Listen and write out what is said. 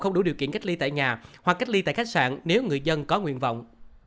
không đủ điều kiện cách ly tại nhà hoặc cách ly tại khách sạn nếu người dân có nguyện vọng